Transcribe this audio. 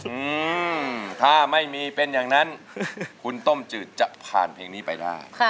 อืมถ้าไม่มีเป็นอย่างนั้นคุณต้มจืดจะผ่านเพลงนี้ไปได้